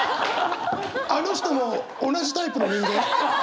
あの人も同じタイプの人間？